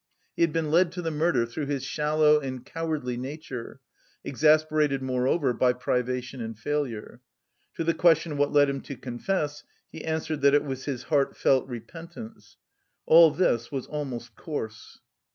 He had been led to the murder through his shallow and cowardly nature, exasperated moreover by privation and failure. To the question what led him to confess, he answered that it was his heartfelt repentance. All this was almost coarse....